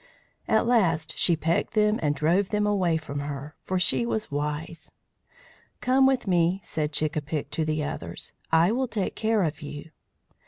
At last she pecked them and drove them away from her, for she was wise. "Come with me," said Chick a pick to the others. "I will take care of you."